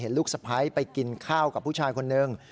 ลูกสะพ้ายไปกินข้าวกับผู้ชายคนนึง